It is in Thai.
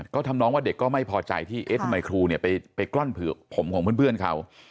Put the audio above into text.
ก็ทำน้องว่าเด็กก็ไม่พอใจที่เอ๊ะทำไมครูไปกล้อนผมของเพื่อนเขา